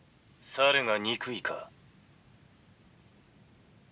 「猿が憎いか？」。